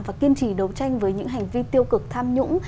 và kiên trì đấu tranh với những hành vi tiêu cực tham nhũng